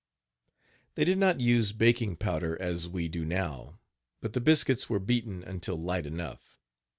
They did not use baking powder, as we do now, but the biscuits were beaten until light enough.